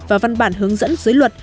và văn bản hướng dẫn dưới luật